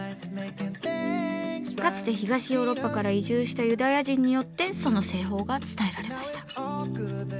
かつて東ヨーロッパから移住したユダヤ人によってその製法が伝えられました。